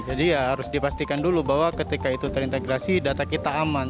jadi ya harus dipastikan dulu bahwa ketika itu terintegrasi data kita aman